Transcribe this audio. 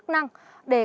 ờ trang à